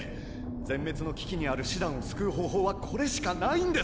全滅の危機にある師団を救う方法はこれしかないんです。